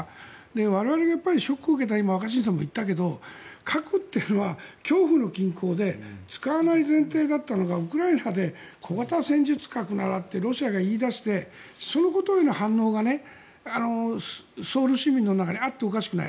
我々がショックを受けた今、若新さんが言ったけど核というのは恐怖の均衡で使わない前提だったのがウクライナで小型戦術核ならってロシアが言い出してそのことへの反応がソウル市民の中にあって、おかしくない。